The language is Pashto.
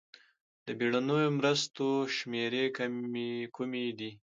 د بېړنیو مرستو شمېرې کومې دي؟